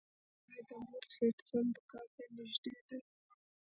دا ځای د مورس هډسن دکان ته نږدې دی.